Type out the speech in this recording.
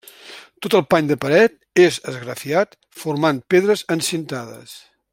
Tot el pany de paret és esgrafiat formant pedres encintades.